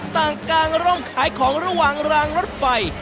กลางกางร่มขายของระหว่างรางรถไฟ